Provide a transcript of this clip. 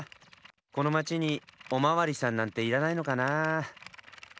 このまちにおまわりさんなんていらないのかなあ？